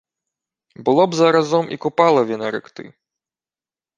— Було б заразом і Купалові наректи.